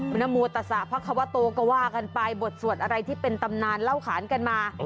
คุณนโมตสะพระควโตก็ว่ากันไปบทสวดอะไรที่เป็นตำนานเล่าขานกันมา